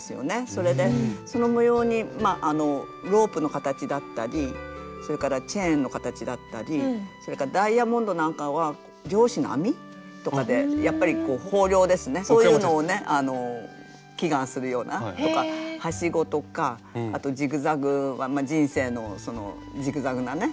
それでその模様にロープの形だったりそれからチェーンの形だったりそれからダイヤモンドなんかは漁師の網とかでやっぱり豊漁ですねそういうのをね祈願するようなとかはしごとかあとジグザグは人生のそのジグザグなね